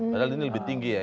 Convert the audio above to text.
padahal ini lebih tinggi ya